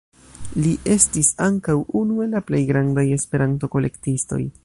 Li estis ankaŭ unu el la plej grandaj Esperanto-kolektistoj.